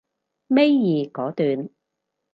尾二嗰段